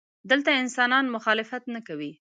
دلته انسانان مخالفت نه کوي.